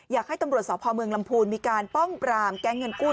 อยากให้ตำรวจสพเมืองลำพูนมีการป้องปรามแก๊งเงินกู้